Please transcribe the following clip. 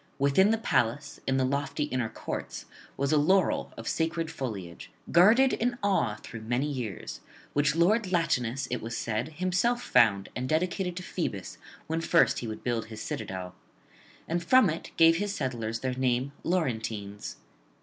Within the palace, in the lofty inner courts, was a laurel of sacred foliage, guarded in awe through many years, which lord Latinus, it was said, himself found and dedicated to Phoebus when first he would build his citadel; and from it gave his settlers their name, Laurentines.